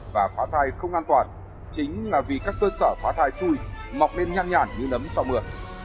và phá thai không an toàn chính là vì các cơ sở phá thai chui mọc nên nhàn nhàn như nấm sau mưa